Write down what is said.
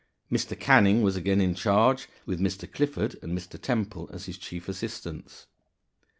Mr. Canning was again in charge, with Mr. Clifford and Mr. Temple as his chief assistants.